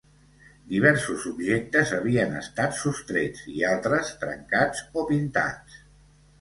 Diversos objectes havien estat sostrets i altres trencats o pintats.